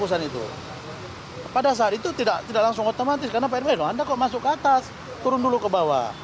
anda kok masuk ke atas turun dulu ke bawah